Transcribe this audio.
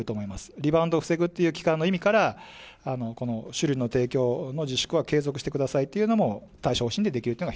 リバウンドを防ぐという意味から、この酒類の提供の自粛は継続してくださいというのも、対処方針で１つ。